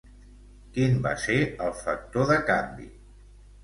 Quin va ser el factor de canvi?